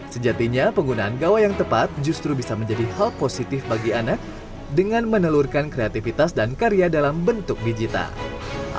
sejatinya penggunaan gawa yang tepat justru bisa menjadi hal positif bagi anak dengan menelurkan kreativitas dan karya dalam bentuk digital